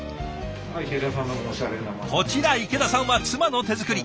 こちら池田さんは妻の手作り。